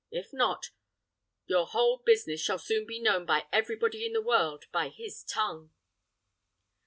If not, your whole business shall soon be known by everybody in the world by his tongue."